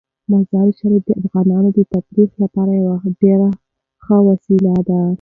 مزارشریف د افغانانو د تفریح لپاره یوه ډیره ښه وسیله ده.